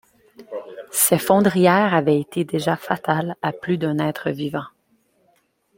Ces fondrières avaient été déjà fatales à plus d’un être vivant.